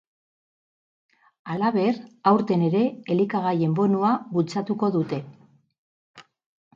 Halaber, aurten ere elikagaien bonua bultzatuko dute.